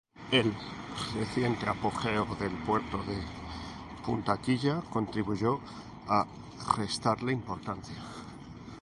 El reciente apogeo del puerto de Punta Quilla contribuyó a restarle importancia.